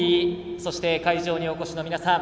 そして会場にお越しの皆さん。